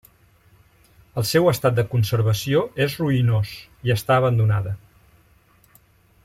El seu estat de conservació és ruïnós i està abandonada.